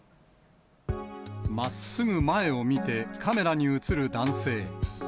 まっすぐ前を見てカメラに写る男性。